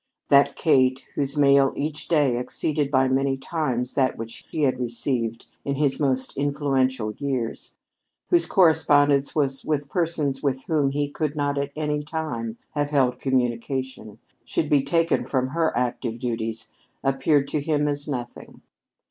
That Kate, whose mail each day exceeded by many times that which he had received in his most influential years, whose correspondence was with persons with whom he could not at any time have held communication, should be taken from her active duties appeared to him as nothing.